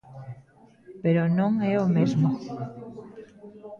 Pero non é o mesmo.